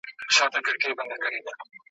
پوهېدی چي نور د نوي کور مقیم سو `